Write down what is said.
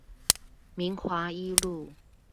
明華一路